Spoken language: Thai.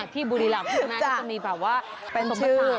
ที่บุริรัมป์จะเป็นสมภาษา